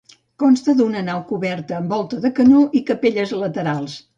Consta d'una nau coberta amb volta de canó i capelles laterals.